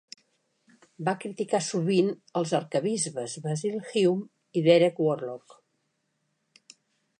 Va criticar sovint els arquebisbes Basil Hume i Derek Worlock.